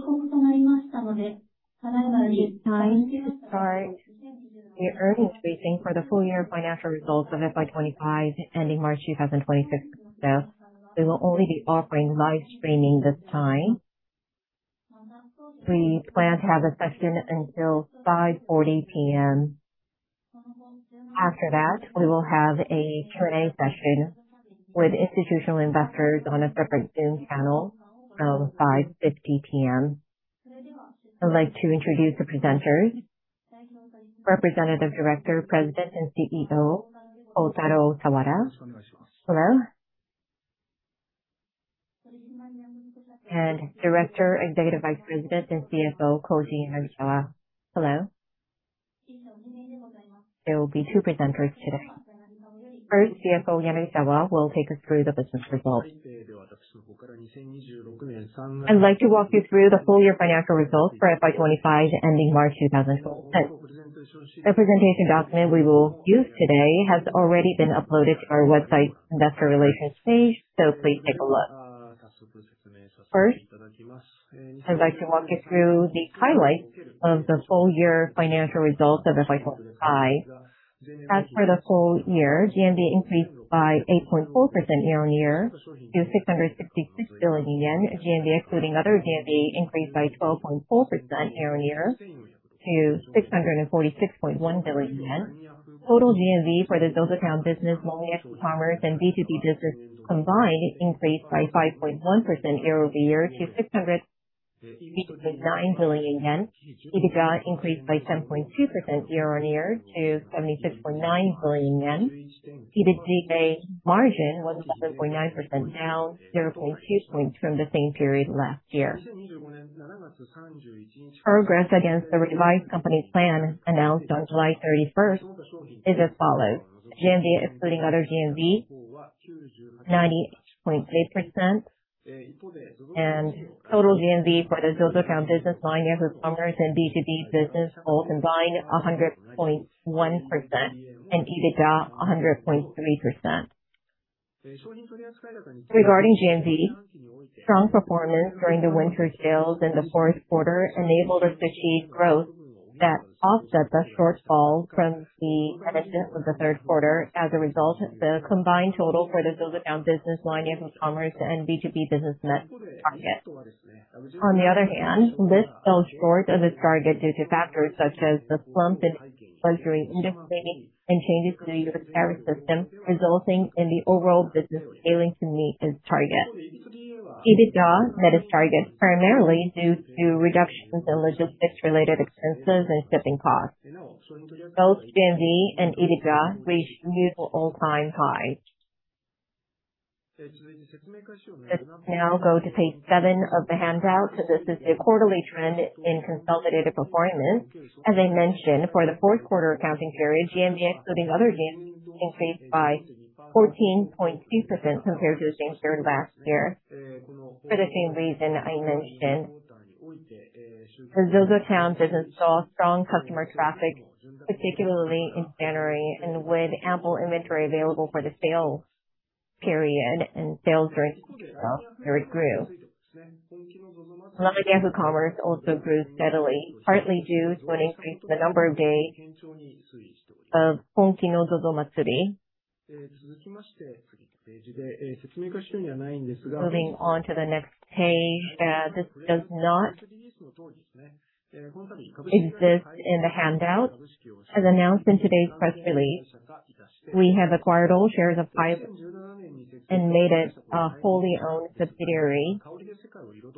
Start the earnings briefing for the full-year financial results of FY 2025 ending March 2026. We will only be offering live streaming this time. We plan to have a session until 5:40 P.M. After that, we will have a Q&A session with institutional investors on a separate Zoom panel, 5:50 P.M. I'd like to introduce the presenters. Representative Director, President, and CEO, Kotaro Sawada. Hello. Director, Executive Vice President and CFO, Koji Yanagisawa. Hello. There will be two presenters today. First, CFO Yanagisawa will take us through the business results. I'd like to walk you through the full-year financial results for FY 2025 ending March 2026. The presentation document we will use today has already been uploaded to our website's investor relations page, so please take a look. First, I'd like to walk you through the highlights of the full-year financial results of FY 2025. As for the full-year, GMV increased by 8.4% year-on-year to 666 billion yen. GMV, including other GMV, increased by 12.4% year-on-year to 646.1 billion yen. Total GMV for the ZOZOTOWN business, LINE Yahoo! Commerce and B2B business combined increased by 5.1% year-over-year to 659 billion yen. EBITDA increased by 10.2% year-on-year to 76.9 billion yen. EBITDA margin was 7.9%, now 0.2 points from the same period last year. Progress against the revised company plan announced on July 31st is as follows: GMV, excluding other GMV, 98.3% and total GMV for the ZOZOTOWN business, LINE Yahoo!. Commerce and B2B business all combined 100.1% and EBITDA 100.3%. Regarding GMV, strong performance during the winter sales in the fourth quarter enabled us to achieve growth that offset the shortfall from the headwind of the third quarter. The combined total for the ZOZOTOWN business, LINE Yahoo! Commerce and B2B business met target. This fell short of its target due to factors such as the slump in luxury industry and changes to the U.S. tariff system, resulting in the overall business failing to meet its target. EBITDA met its target primarily due to reductions in logistics-related expenses and shipping costs. Both GMV and EBITDA reached new all-time high. Let's now go to page seven of the handout. This is a quarterly trend in consolidated performance. As I mentioned, for the fourth quarter accounting period, GMV, including other GMV, increased by 14.2% compared to the same period last year. For the same reason I mentioned, the ZOZOTOWN business saw strong customer traffic, particularly in January, and with ample inventory available for the sales period and sales growth, well, period grew. LINE Yahoo! Commerce also grew steadily, partly due to an increase in the number of days of Honki no Zozomatsuri. Moving on to the next page, this does not exist in the handout. As announced in today's press release, we have acquired all shares of HIGH LINK and made it a wholly owned subsidiary.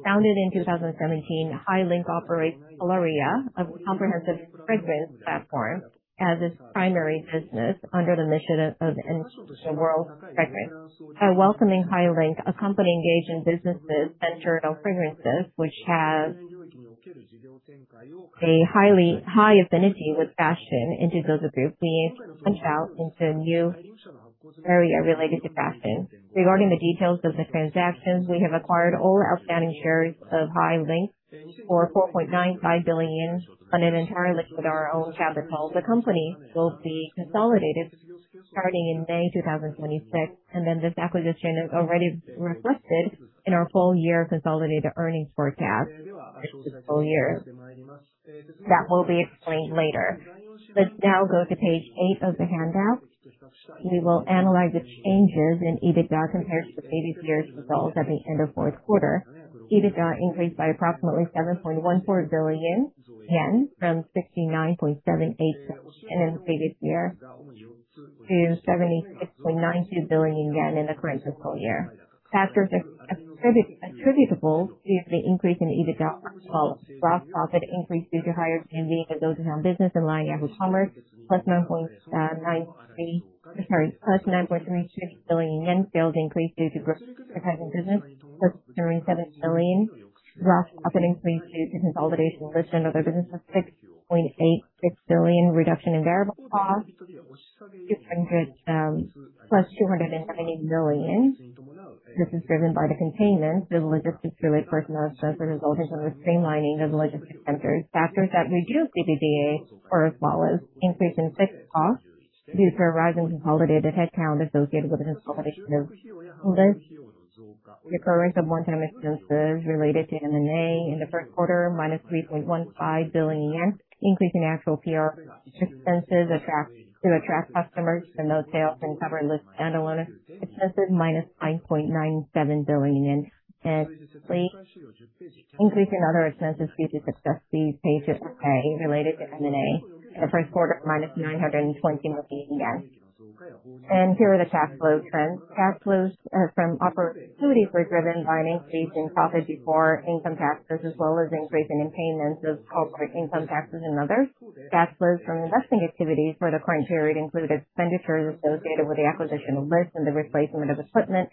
Founded in 2017, HIGH LINK operates Coloria, a comprehensive fragrance platform, as its primary business under the mission of enhancing the world's fragrance. By welcoming HIGH LINK, a company engaged in businesses centered on fragrances which have a highly high affinity with fashion into ZOZO Group, we expand out into a new area related to fashion. Regarding the details of the transactions, we have acquired all outstanding shares of HIGH LINK for 4.95 billion entirely with our own capital. The company will be consolidated starting in May 2026, This acquisition is already reflected in our full-year consolidated earnings forecast for the full-year. That will be explained later. Let's now go to page 8 of the handout. We will analyze the changes in EBITDA compared to previous year's results at the end of fourth quarter. EBITDA increased by approximately 7.14 billion yen from 69.78 billion in the previous year to 76.92 billion yen in the current fiscal year. Factors attributable to the increase in EBITDA are as follows: Gross profit increased due to higher GMV in ZOZOTOWN business and LINE Yahoo! Commerce, +9.36 billion yen. Sales increased due to growth in the present business, JPY +37 billion. Gross profit increased due to consolidation of certain other businesses, JPY 6.86 billion. Reduction in variable costs, JPY +290 million. This is driven by the containment of logistics-related personnel expenses resulting from the streamlining of logistics centers. Factors that reduced EBITDA are as follows: Increase in fixed costs. Due to a rise in consolidated headcount associated with the consolidation of Lyst, the occurrence of one-time expenses related to M&A in the first quarter, minus 3.15 billion yen, increase in actual PR expenses to attract customers and those sales and cover Lyst standalone expenses minus 9.97 billion, and increase in other expenses due to success fees paid to SK related to M&A in the first quarter minus 921 billion. Here are the cash flow trends. Cash flows from operating activities were driven by an increase in profit before income taxes as well as increasing in payments of corporate income taxes and others. Cash flows from investing activities for the current period included expenditures associated with the acquisition of Lyst and the replacement of equipment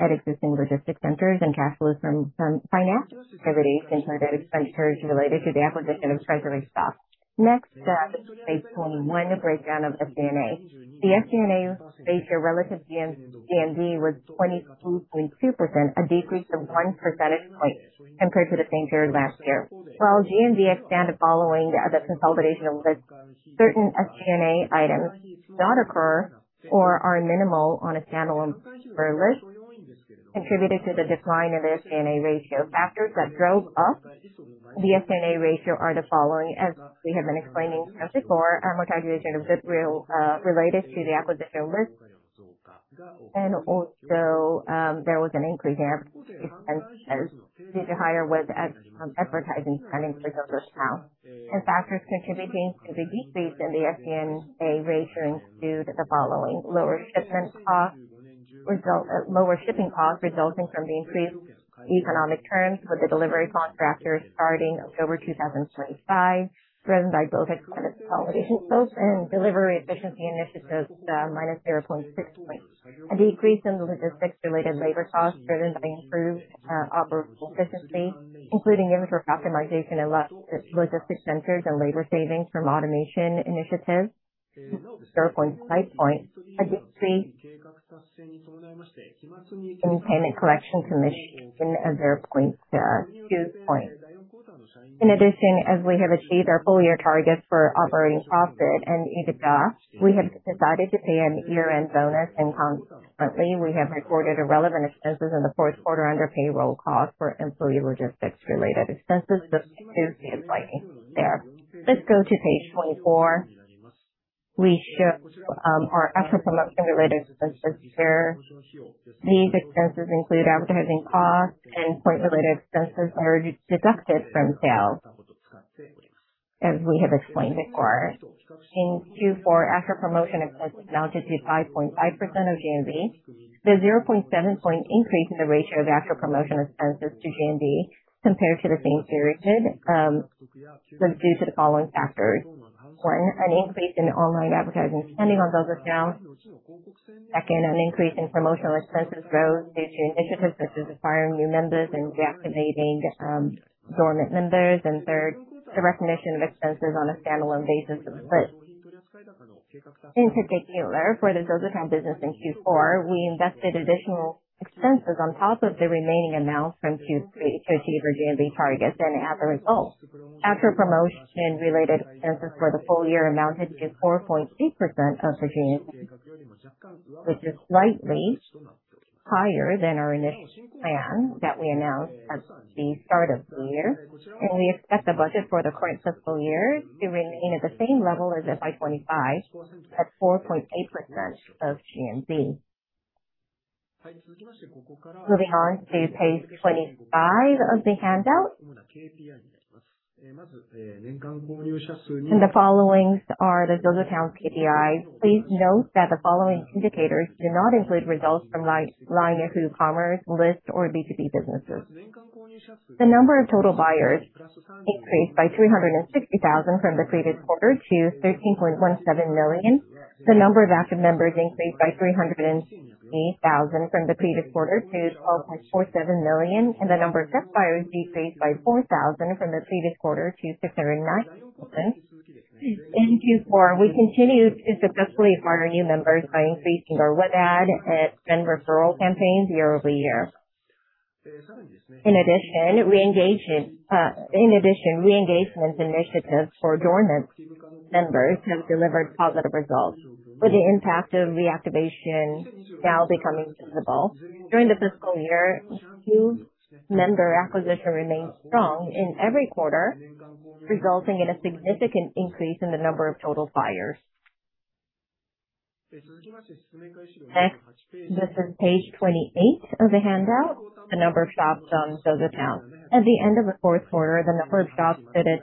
at existing logistics centers and cash flows from financial activities included expenditures related to the acquisition of treasury stock. Next up, page 21, breakdown of SG&A. The SG&A as a ratio relative GMV was 22.2%, a decrease of one percentage point compared to the same period last year. While GMV expanded following the consolidation of Lyst, certain SG&A items did not occur or are minimal on a standalone for Lyst, contributed to the decline in the SG&A ratio. Factors that drove up the SG&A ratio are the following, as we have been explaining before. Amortization of goodwill related to the acquisition of Lyst. There was an increase in advertising expenses due to higher web ad advertising spending for ZOZOTOWN. Factors contributing to the decrease in the SG&A ratio include the following: Lower shipping costs resulting from the increased economic terms with the delivery contractors starting October 2025, driven by both ex-credit consolidation efforts and delivery efficiency initiatives, -0.6 points. A decrease in logistics-related labor costs driven by improved operational efficiency, including inventory optimization in logistics centers and labor savings from automation initiatives, 0.5 points. A decrease in payment collection commission of 0.02 points. In addition, as we have achieved our full-year targets for operating profit and EBITDA, we have decided to pay an year-end bonus, and consequently, we have recorded a relevant expenses in the fourth quarter under payroll costs for employee logistics related expenses, as stated by me there. Let's go to page 24. We show our after promotion related expenses here. These expenses include advertising costs and point related expenses that are deducted from sales, as we have explained before. In Q4, after promotion expenses amounted to 5.5% of GMV. The 0.7 percentage point increase in the ratio of after promotion expenses to GMV compared to the same period was due to the following factors. One, an increase in online advertising spending on ZOZOTOWN. Second, an increase in promotional expenses rose due to initiatives such as acquiring new members and reactivating dormant members. Third, the recognition of expenses on a standalone basis of Lyst. In particular, for the ZOZOTOWN business in Q4, we invested additional expenses on top of the remaining amounts from Q3 to achieve our GMV targets. As a result, after promotion related expenses for the full-year amounted to 4.3% of the GMV, which is slightly higher than our initial plan that we announced at the start of the year. We expect the budget for the current fiscal year to remain at the same level as FY 2025 at 4.8% of GMV. Moving on to page 25 of the handout. The followings are the ZOZOTOWN KPIs. Please note that the following indicators do not include results from LINE Yahoo! Commerce, Lyst, or B2B businesses. The number of total buyers increased by 360,000 from the previous quarter to 13.17 million. The number of active members increased by 308,000 from the previous quarter to 12.47 million, and the number of guest buyers decreased by 4,000 from the previous quarter to 609,000. In Q4, we continued to successfully acquire new members by increasing our web ad and friend referral campaigns year-over-year. In addition, re-engagement initiatives for dormant members have delivered positive results, with the impact of reactivation now becoming visible. During the fiscal year, new member acquisition remained strong in every quarter, resulting in a significant increase in the number of total buyers. This is page 28 of the handout. The number of shops on ZOZOTOWN. At the end of the fourth quarter, the number of shops fitted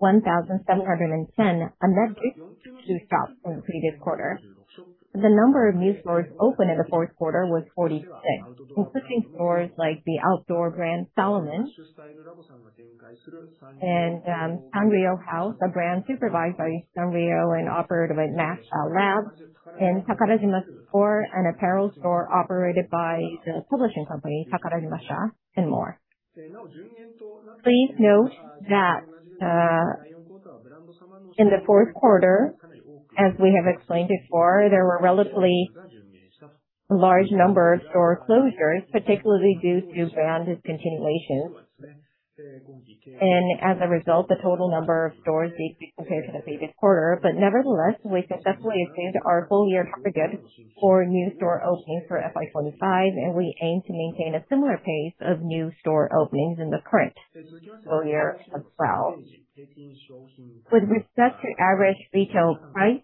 1,710, a net increase of two shops from the previous quarter. The number of new stores opened in the fourth quarter was 46, including stores like the outdoor brand Salomon, Sanrio house, a brand supervised by Sanrio and operated by Mash Style Lab, Takarajima Store, an apparel store operated by the publishing company, Takarajimasha, and more. Please note that in the fourth quarter, as we have explained before, there were relatively large number of store closures, particularly due to brand discontinuations. As a result, the total number of stores decreased compared to the previous quarter. Nevertheless, we successfully achieved our full-year target for new store openings for FY 2025, and we aim to maintain a similar pace of new store openings in the current full-year as well. With respect to average retail price,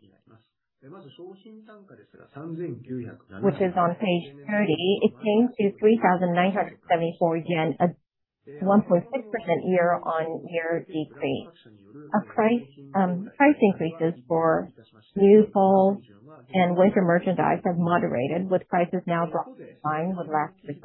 which is on page 30, it came to 3,974 yen, a 1.6% year-on-year decrease. Price increases for new fall and winter merchandise have moderated, with prices now dropping in line with last year's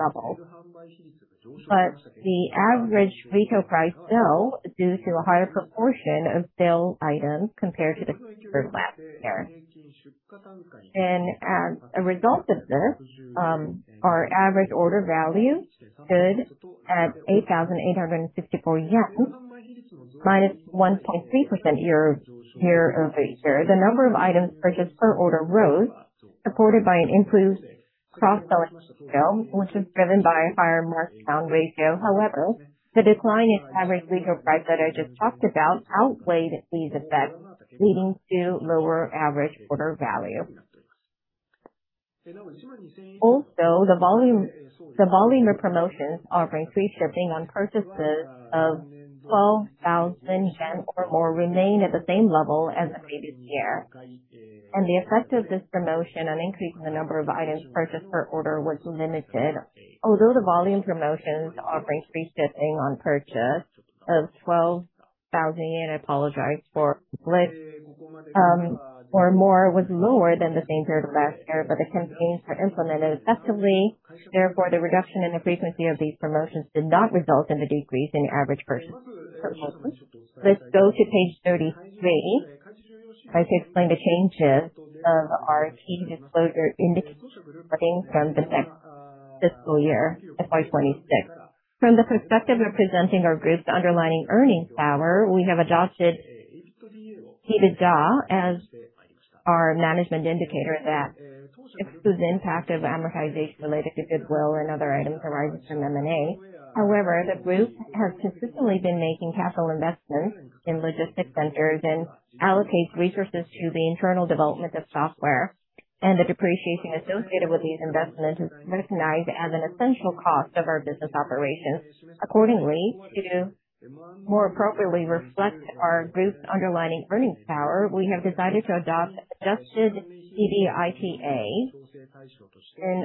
levels. The average retail price fell due to a higher proportion of sale items compared to the period last year. As a result of this, our average order value stood at 8,854 yen, -1.3% year-over-year. The number of items purchased per order rose, supported by an improved cross-selling ratio, which was driven by a higher markdown ratio. However, the decline in average retail price that I just talked about outweighed these effects, leading to lower average order value. The volume of promotions offering free shipping on purchases of 12,000 yen or more remain at the same level as the previous year, and the effect of this promotion on increasing the number of items purchased per order was limited. The volume promotions offering free shipping on purchase of JPY 12,000 or more was lower than the same period last year, but the campaigns were implemented effectively. The reduction in the frequency of these promotions did not result in a decrease in average purchase. Let's go to page 33. I will explain the changes of our key disclosure indicators starting from the next fiscal year, FY 2026. From the perspective of presenting our group's underlying earnings power, we have adopted EBITDA as our management indicator that excludes the impact of amortization related to goodwill and other items arising from M&A. However, the group has consistently been making capital investments in logistics centers and allocates resources to the internal development of software, and the depreciation associated with these investments is recognized as an essential cost of our business operations. Accordingly, to more appropriately reflect our group's underlying earnings power, we have decided to adopt adjusted EBITDA.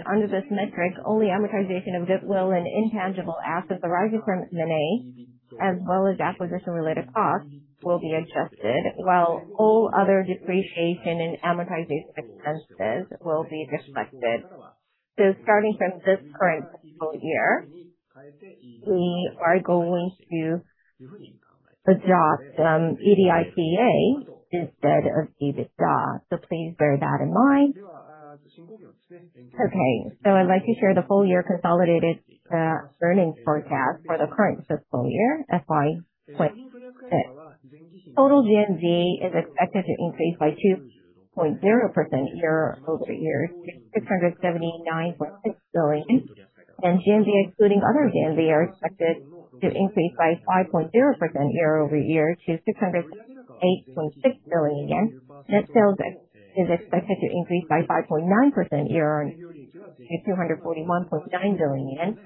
Under this metric, only amortization of goodwill and intangible assets arising from M&A, as well as acquisition-related costs will be adjusted, while all other depreciation and amortization expenses will be reflected. Starting from this current fiscal year, we are going to adopt EBITDA instead of EBITDA. Please bear that in mind. I'd like to share the full-year consolidated earnings forecast for the current fiscal year, FY 2026. Total GMV is expected to increase by 2.0% year-over-year to 679.6 billion. GMV, excluding other GMV, are expected to increase by 5.0% year-over-year to 608.6 billion yen. Net sales is expected to increase by 5.9% year-on-year to 241.9 billion yen.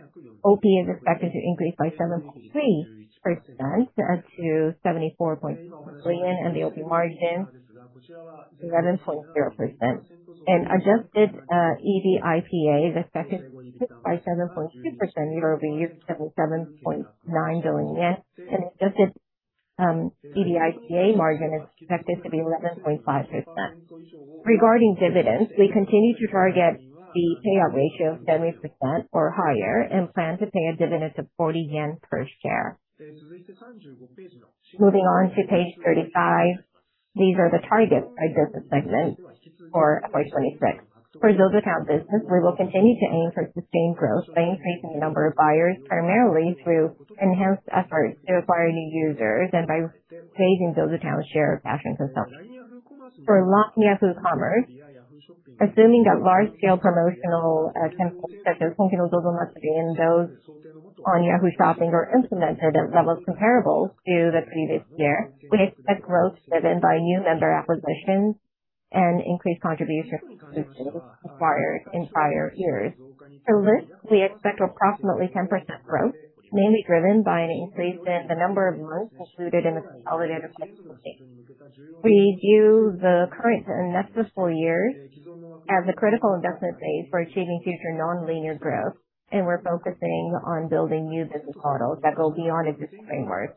OP is expected to increase by 7.3% to 74.4 billion, and the OP margin 11.0%. Adjusted EBITDA is expected to increase by 7.2% year-over-year to 77.9 billion yen. Adjusted EBITDA margin is expected to be 11.5%. Regarding dividends, we continue to target the payout ratio of 70% or higher and plan to pay a dividend of 40 yen per share. Moving on to page 35. These are the targets by business segment for FY 2026. For ZOZOTOWN business, we will continue to aim for sustained growth by increasing the number of buyers, primarily through enhanced efforts to acquire new users and by raising ZOZOTOWN's share of fashion consumption. For Yahoo! Commerce, assuming that large-scale promotional campaigns such as Tenbai and those on Yahoo! Shopping are implemented at levels comparable to the previous year, we expect growth driven by new member acquisitions and increased contribution from existing buyers in prior years. For Lyst, we expect approximately 10% growth, mainly driven by an increase in the number of lists included in the consolidated platform state. We view the current and next fiscal year as a critical investment phase for achieving future nonlinear growth, and we're focusing on building new business models that go beyond existing frameworks.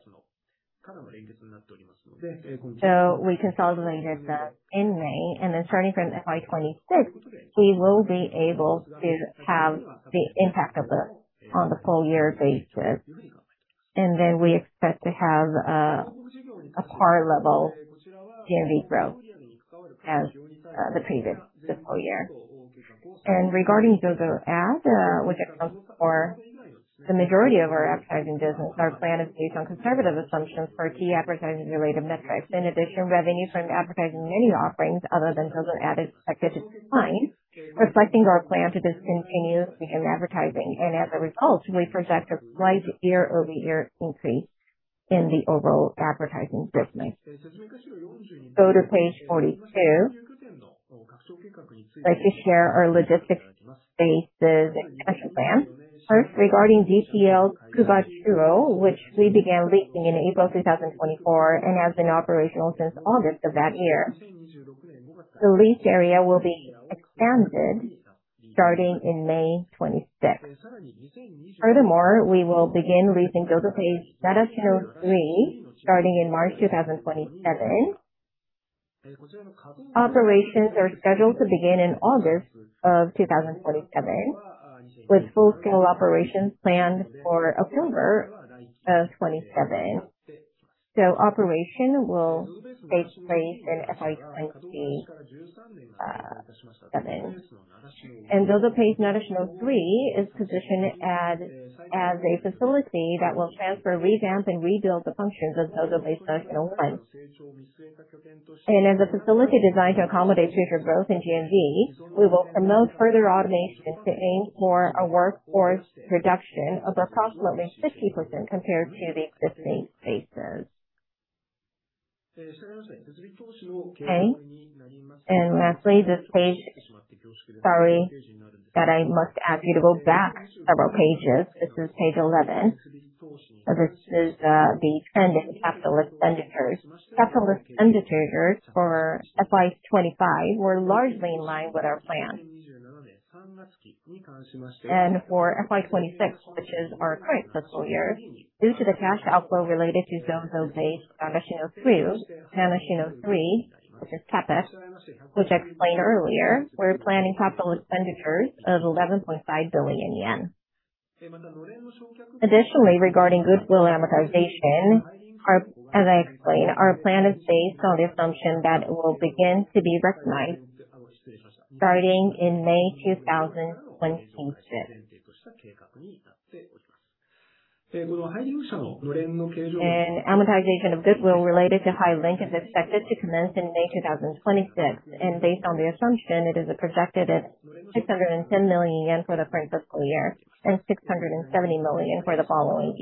We consolidated them in May, starting from FY 2026, we will be able to have the impact of this on the full-year basis. We expect to have a par level GMV growth as the previous fiscal year. Regarding ZOZO Ad, which accounts for the majority of our advertising business, our plan is based on conservative assumptions for key advertising related metrics. In addition, revenue from advertising new offerings other than ZOZO Ad is expected to decline, reflecting our plan to discontinue in advertising. As a result, we project a slight year-over-year increase in the overall advertising business. Go to page 42. I'd like to share our logistics spaces expansion plan. Regarding DPL Tsukuba Chuo, which we began leasing in April 2024 and has been operational since August of that year. The lease area will be expanded starting in May 26th. We will begin leasing ZOZOBASE Narashino 3 starting in March 2027. Operations are scheduled to begin in August of 2027, with full-scale operations planned for October of 2027. Operation will take place in FY 2027. ZOZOBASE Narashino 3 is positioned as a facility that will transfer, revamp, and rebuild the functions of ZOZOBASE Narashino 1. As a facility designed to accommodate future growth in GMV, we will promote further automation to aim for a workforce reduction of approximately 60% compared to the existing spaces. Lastly, this page. Sorry that I must ask you to go back several pages. This is page 11. This is the capital expenditures. Capital expenditures for FY 2025 were largely in line with our plan. For FY 2026, which is our current fiscal year, due to the cash outflow related to ZOZOBASE Narashino 3, Narashino 3, which is CapEx, which I explained earlier, we're planning capital expenditures of 11.5 billion yen. Additionally, regarding goodwill amortization, as I explained, our plan is based on the assumption that it will begin to be recognized starting in May 2026. Amortization of goodwill related to HIGH LINK is expected to commence in May 2026. Based on the assumption, it is projected at 610 million yen for the current fiscal year and 670 million for the following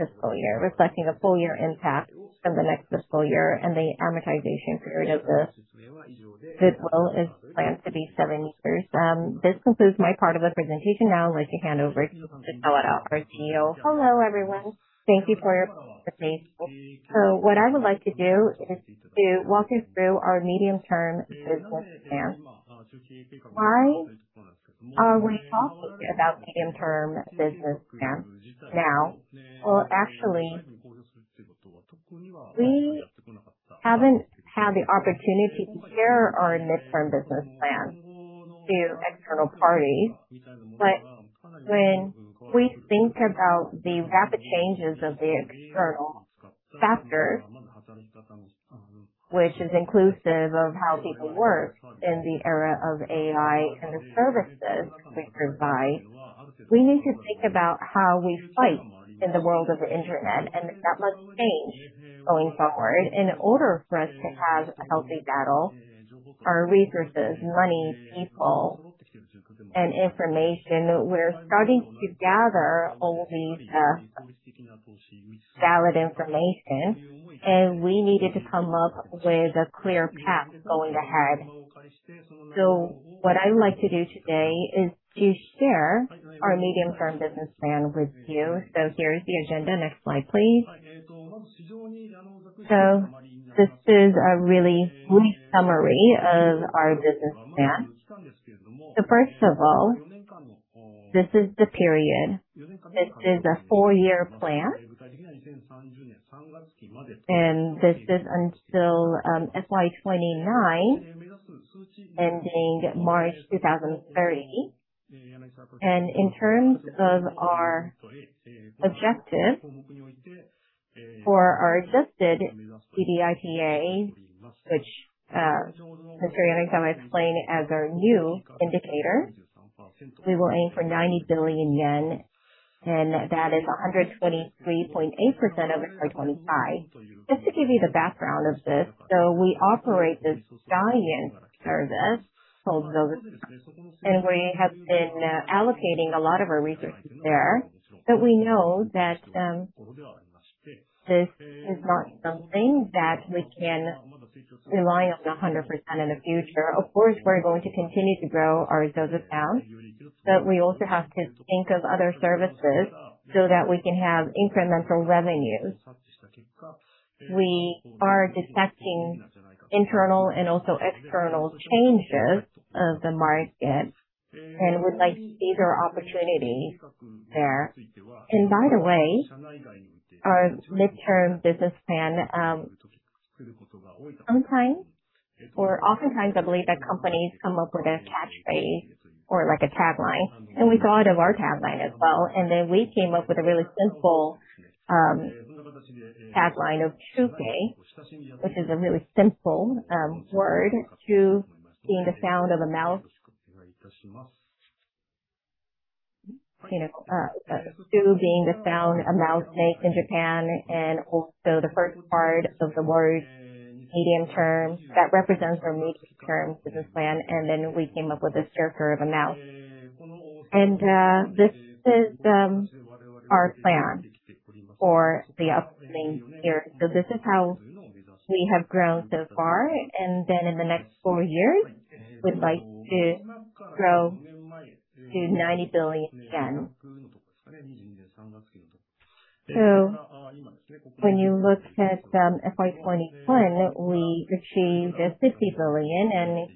fiscal year, reflecting a full-year impact from the next fiscal year and the amortization period of the goodwill is planned to be seven years. This concludes my part of the presentation. Now I'd like to hand over to Sawada, our CEO. Hello, everyone. Thank you for your patience. What I would like to do is to walk you through our medium-term business plan. Why are we talking about medium-term business plan now? Actually, we haven't had the opportunity to share our midterm business plan to external parties. When we think about the rapid changes of the external factors, which is inclusive of how people work in the era of AI and the services we provide, we need to think about how we fight in the world of the internet, and that must change going forward. In order for us to have a healthy battle, our resources, money, people, and information, we're starting to gather all these valid information, and we needed to come up with a clear path going ahead. What I would like to do today is to share our medium-term business plan with you. Here is the agenda. Next slide, please. This is a really brief summary of our business plan. First of all, this is the period. This is a four-year plan. This is until FY 2029 ending March 2030. In terms of our objective for our adjusted EBITDA, which Mr. Yanagisawa explained as our new indicator, we will aim for JPY 90 billion, and that is 123.8% over FY 2025. Just to give you the background of this, we operate this giant service called ZOZO, and we have been allocating a lot of our resources there. We know that this is not something that we can rely on 100% in the future. Of course, we're going to continue to grow our ZOZOTOWN, we also have to think of other services so that we can have incremental revenues. We are detecting internal and also external changes of the market and would like to seize our opportunity there. By the way, our midterm business plan, sometimes or oftentimes, I believe that companies come up with a catchphrase or like a tagline, we thought of our tagline as well. We came up with a really simple headline of Chu-Kei, which is a really simple word. Chu being the sound of a mouth. You know, chu being the sound a mouth makes in Japan, and also the first part of the word medium term that represents our medium term business plan. We came up with this character of a mouth. This is our plan for the upcoming year. This is how we have grown so far. In the next four years, we'd like to grow to JPY 90 billion. When you look at FY 2021, we achieved 60 billion, and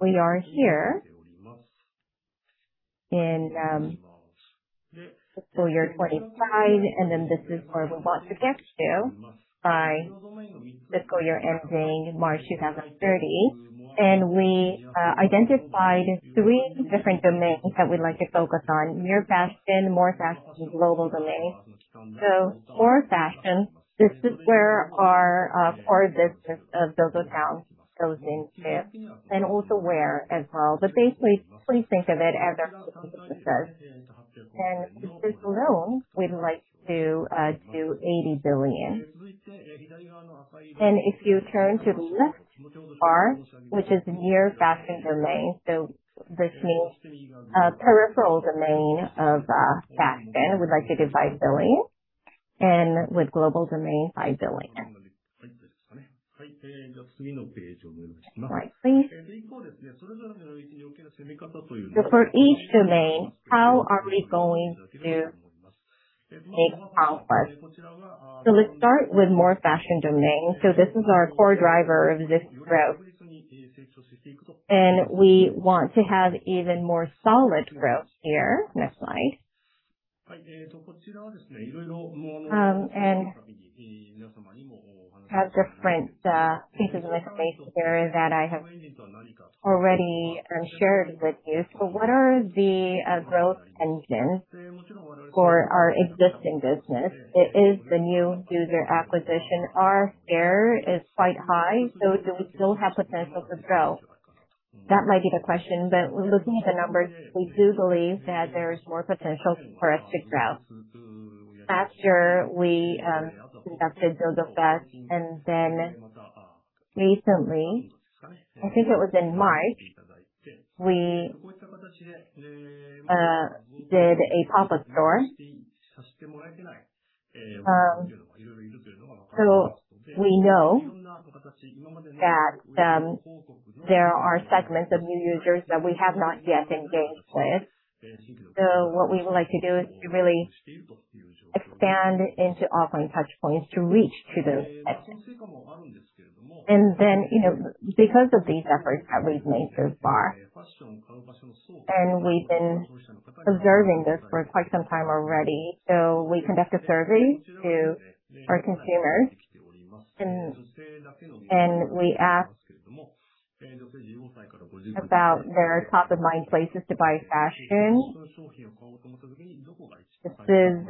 we are here in fiscal year 2025. This is where we want to get to by fiscal year ending March 2030. We identified three different domains that we'd like to focus on: Near Fashion, More Fashion, Global Domain. More Fashion, this is where our core business of ZOZOTOWN goes into and also WEAR as well. Basically please think of it as our core business. This alone we'd like to do 80 billion. If you turn to the left bar, which is Near Fashion domain. This means peripheral domain of fashion. We'd like to do JPY 5 billion and with Global Domain, JPY 5 billion. Next slide, please. For each domain, how are we going to make progress? Let's start with more fashion domain. This is our core driver of this growth. We want to have even more solid growth here. Next slide. Have different pieces of information here that I have already shared with you. What are the growth engines for our existing business? It is the new user acquisition. Our share is quite high, so do we still have potential to grow? That might be the question, but looking at the numbers, we do believe that there is more potential for us to grow. Last year, we conducted ZozoFest and then recently, I think it was in March, we did a pop-up store. We know that there are segments of new users that we have not yet engaged with. What we would like to do is to really expand into offline touchpoints to reach to those customers. You know, because of these efforts that we've made so far, and we've been observing this for quite some time already. We conduct a survey to our consumers and we asked about their top of mind places to buy fashion. This is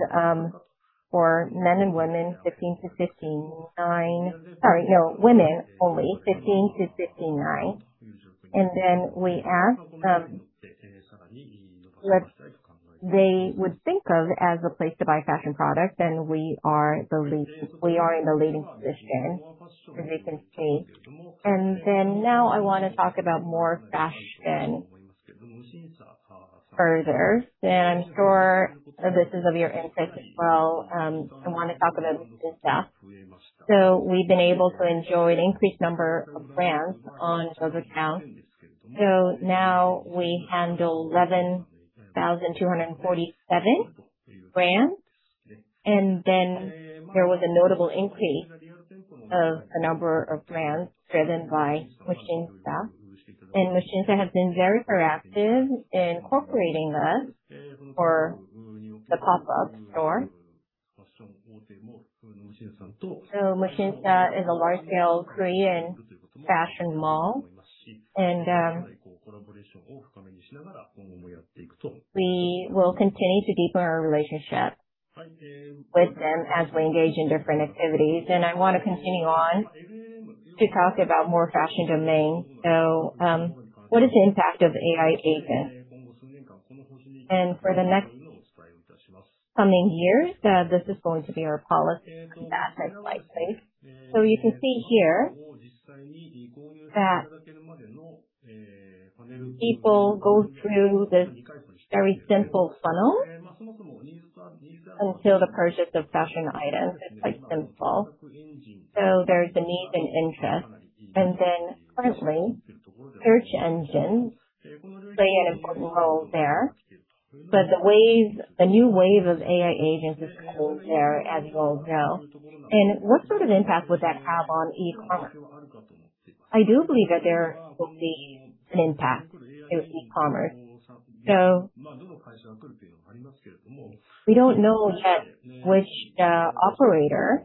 for men and women, 15-59. Sorry, no, women only 15-59. We asked what they would think of as a place to buy fashion products. We are in the leading position as you can see. Now I wanna talk about more fashion further, and I'm sure this is of your interest as well. I wanna talk about Musinsa. We've been able to enjoy an increased number of brands on ZOZOTOWN. Now we handle 11,247 brands. There was a notable increase of a number of brands driven by Musinsa has been very proactive in incorporating us for the pop-up store. Musinsa is a large scale Korean fashion mall. We will continue to deepen our relationship with them as we engage in different activities. I wanna continue on to talk about more fashion domain. What is the impact of AI agents? For the next coming years, this is going to be our policy. Next slide, please. You can see here that people go through this very simple funnel until the purchase of fashion items. It's quite simple. There's the need and interest, and then currently search engines play an important role there. The wave, the new wave of AI agents is called there as well now. What sort of impact would that have on e-commerce? I do believe that there will be an impact to e-commerce. We don't know yet which operator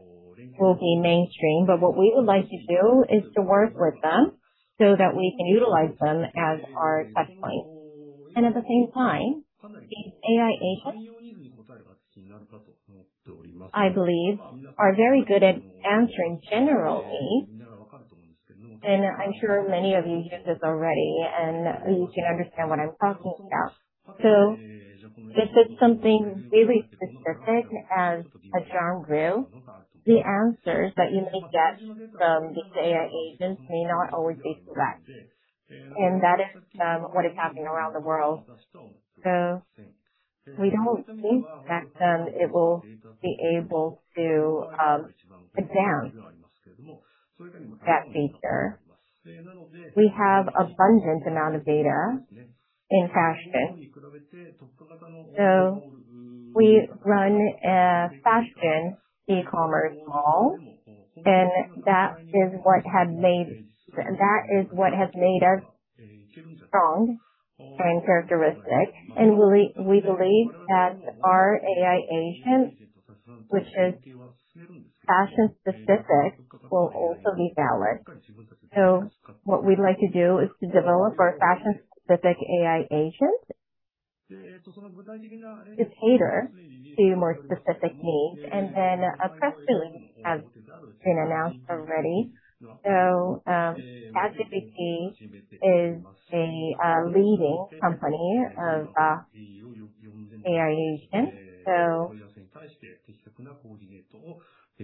will be mainstream, but what we would like to do is to work with them so that we can utilize them as our touch point. At the same time, AI agents, I believe, are very good at answering generally, and I'm sure many of you use this already, and you can understand what I'm talking about. If it's something very specific as a genre, the answers that you may get from these AI agents may not always be correct. That is what is happening around the world. We don't think that it will be able to advance that feature. We have abundant amount of data in fashion, we run a fashion e-commerce mall, and that is what has made us strong and characteristic. We believe that our AI agent, which is fashion-specific, will also be balanced. What we'd like to do is to develop our fashion-specific AI agent to cater to more specific needs. Pressly has been announced already. ChatGPT is a leading company of AI agents.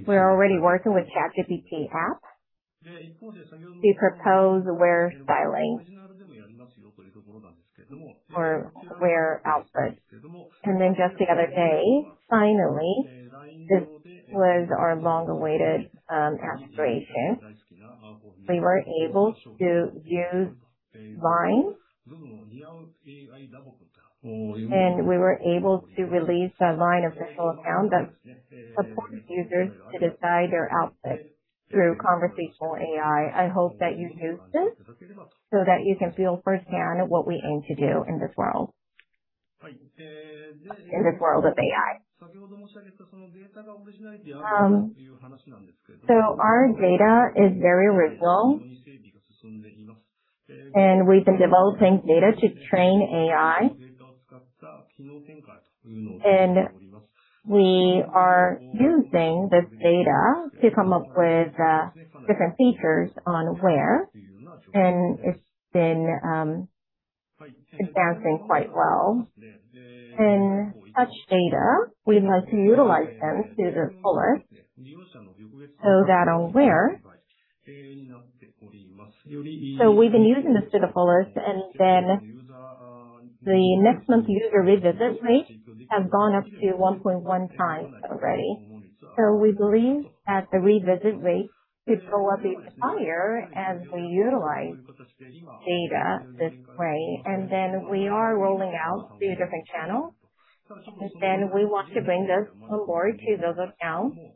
We're already working with ChatGPT app to propose WEAR styling or WEAR outfits. Just the other day, finally, this was our long-awaited aspiration. We were able to use LINE, and we were able to release a LINE official account that supports users to decide their outfits through conversational AI. I hope that you use this so that you can feel firsthand what we aim to do in this world, in this world of AI. Our data is very original, and we've been developing data to train AI. We are using this data to come up with different features on WEAR, and it's been advancing quite well. We've been using this to the fullest. The next month user revisit rate has gone up to 1.1x already. We believe that the revisit rate could go up even higher as we utilize data this way. We are rolling out to different channels. We want to bring this on board to ZOZOTOWN in the future.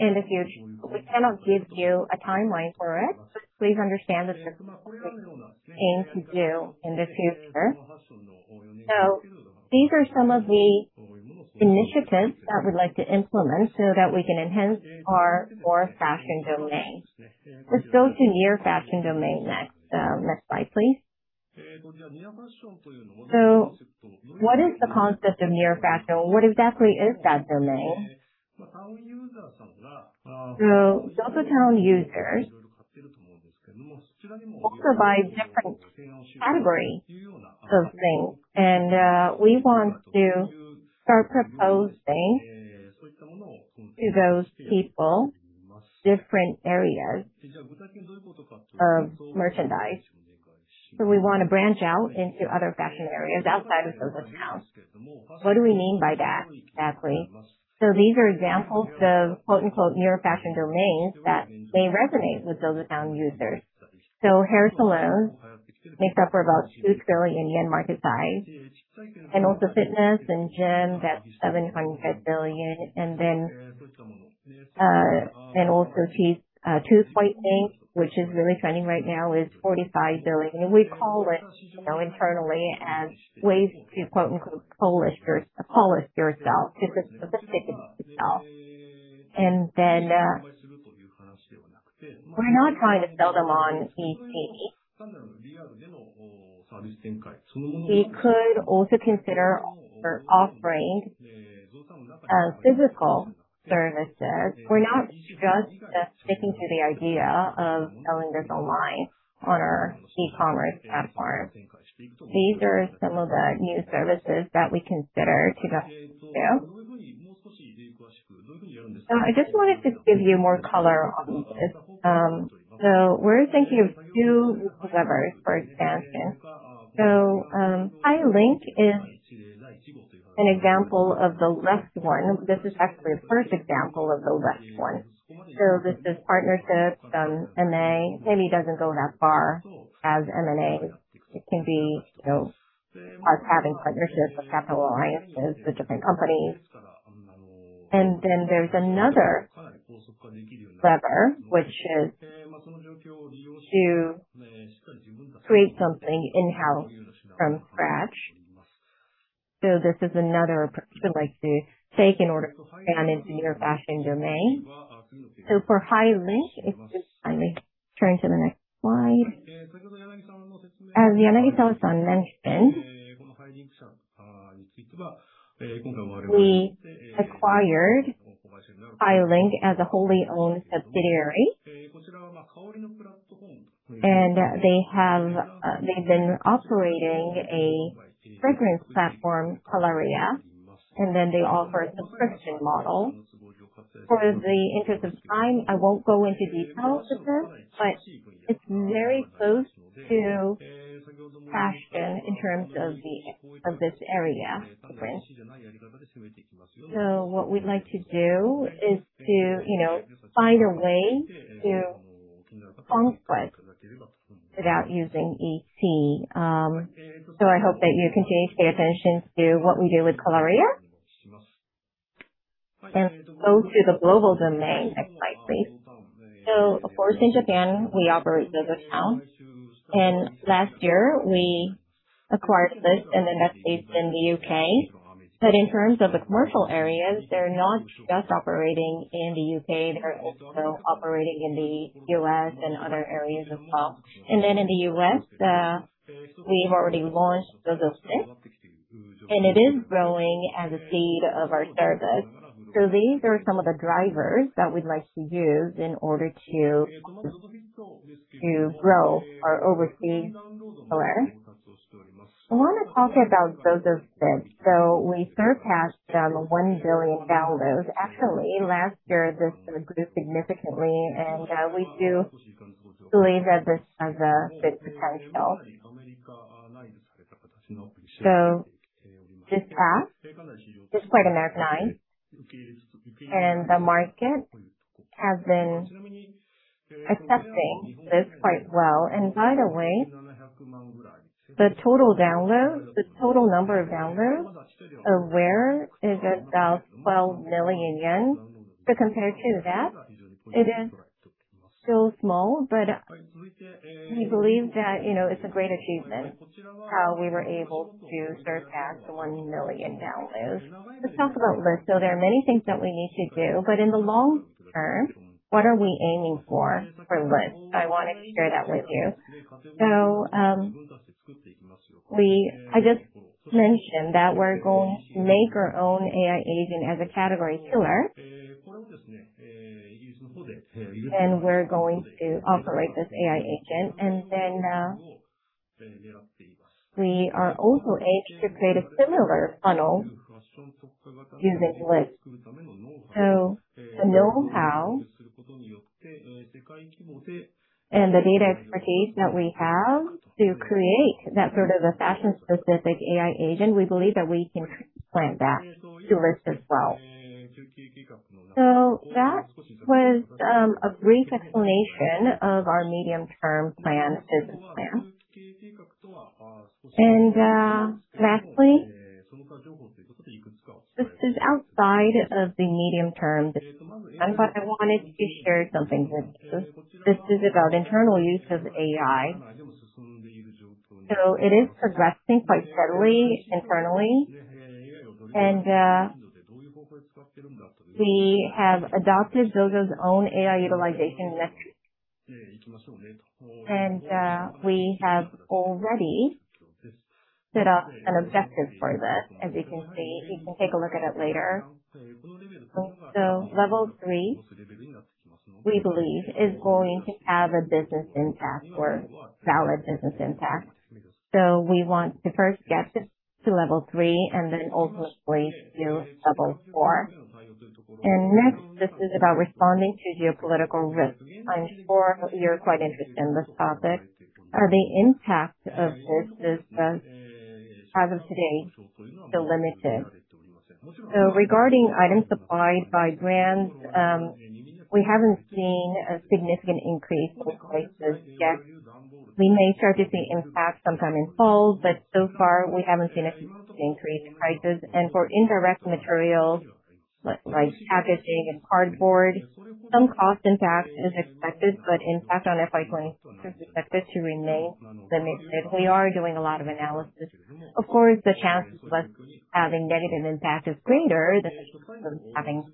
We cannot give you a timeline for it, but please understand this is what we aim to do in the future. These are some of the initiatives that we'd like to implement so that we can enhance our core fashion domain. Let's go to Near Fashion domain next. Next slide, please. What is the concept of Near Fashion? What exactly is that domain? ZOZOTOWN users also buy different categories of things. We want to start proposing to those people different areas of merchandise. We wanna branch out into other fashion areas outside of ZOZOTOWN. What do we mean by that exactly? These are examples of quote-unquote Near Fashion domains that may resonate with ZOZOTOWN users. Hair salons make up for about JPY 2 trillion market size. Fitness and gym, that's 700 billion. Tooth whitening, which is really trending right now, is 45 billion. We call it, you know, internally as ways to quote-unquote, "polish yourself." It's a specific itself. We're not trying to sell them on e-beauty. We could also consider offering physical services. We're not just sticking to the idea of selling this online on our e-commerce platform. These are some of the new services that we consider to go through. I just wanted to give you more color on this. We're thinking of two levers for expansion. HIGH LINK is an example of the left one. This is actually a first example of the left one. This is partnerships, M&A. Maybe it doesn't go that far as M&A. It can be, you know, us having partnerships or capital alliances with different companies. There's another lever, which is to create something in-house from scratch. This is another approach we'd like to take in order to expand into Near Fashion domain. For HIGH LINK, let me turn to the next slide. As Yanagisawa mentioned, we acquired HIGH LINK as a wholly owned subsidiary. They have, they've been operating a fragrance platform, Coloria, and then they offer a subscription model. For the interest of time, I won't go into details with this, but it's very close to fashion in terms of this area, right? What we'd like to do is to, you know, I wanna talk about ZOZOFIT. We surpassed 1 billion downloads. Actually, last year this grew significantly, and we do believe that this has a big potential. This past, this quite a nice and the market has been accepting this quite well. By the way, the total download, the total number of downloads of WEAR is about 12 million yen. Compared to that, it is still small, but we believe that, you know, it's a great achievement, how we were able to surpass the 1 million downloads. Let's talk about Lyst. There are many things that we need to do, but in the long term, what are we aiming for for Lyst? I wanted to share that with you. I just mentioned that we're going to make our own AI agent as a category healer. We're going to operate this AI agent. We are also aimed to create a similar funnel using Lyst. The know-how and the data expertise that we have to create that sort of a fashion-specific AI agent, we believe that we can transplant that to Lyst as well. That was a brief explanation of our medium-term plan business plan. Lastly, this is outside of the medium-term business plan, but I wanted to share something with you. This is about internal use of AI. It is progressing quite steadily internally. We have adopted ZOZO's own AI utilization metrics. We have already set up an objective for this, as you can see. You can take a look at it later. Level three, we believe, is going to have a business impact or valid business impact. We want to first get to level three and then ultimately to level four. Next, this is about responding to geopolitical risks. I'm sure you're quite interested in this topic. The impact of this is, as of today, still limited. Regarding items supplied by brands, we haven't seen a significant increase in prices yet. We may start to see impact sometime in fall, but so far we haven't seen a significant increase in prices. For indirect materials like packaging and cardboard, some cost impact is expected, but impact on FY 2024 is expected to remain limited. We are doing a lot of analysis. Of course, the chances of us having negative impact is greater than having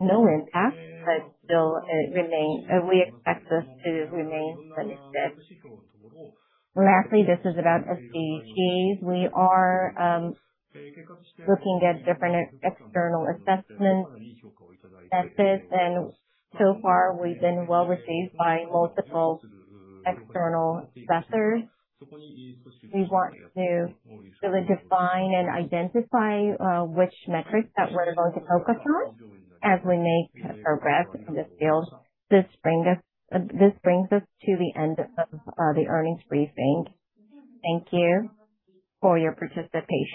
no impact, but still it remains, we expect this to remain limited. Lastly, this is about SDGs. We are looking at different external assessment methods, and so far we've been well received by multiple external assessors. We want to really define and identify which metrics that we're going to focus on as we make progress in this field. This brings us to the end of the earnings briefing. Thank you for your participation.